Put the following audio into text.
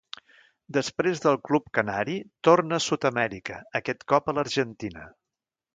Després del club canari, torna a Sud-amèrica, aquest cop a l'Argentina.